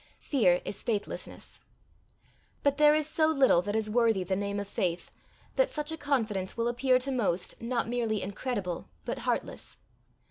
Fear is faithlessness. But there is so little that is worthy the name of faith, that such a confidence will appear to most not merely incredible but heartless.